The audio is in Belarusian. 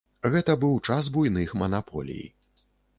Гэта быў час буйных манаполій.